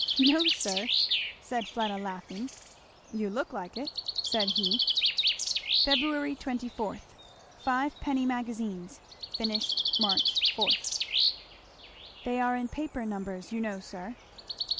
"No sir," said Fleda laughing. "You look like it," said he. 'Feb. 24. Five Penny Magazines, finished Mar. 4,' "They are in paper numbers, you know, sir."